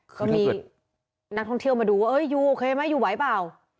ก็มีนักท่องเที่ยวมาดูเอ๊ะยังโอเคไหมยังไหวป่าว